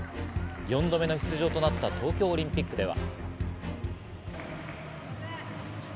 ４度目の出場となった東京オリンピックでは。